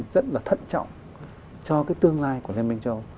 rất là thận trọng cho cái tương lai của liên minh châu âu